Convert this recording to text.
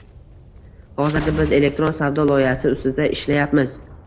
Hozirda biz elektron savdo loyihasi ustida ishlayapmiz